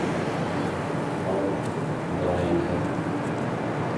Ew birayên hev in